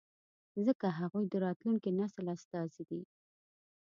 ځکه هغوی د راتلونکي نسل استازي دي.